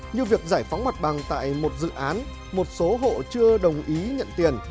như việc giải phóng mặt bằng tại một dự án một số hộ chưa đồng ý nhận tiền